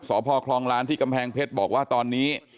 สพคลองล้านที่กำแพงเพชรบอกว่าตอนนี้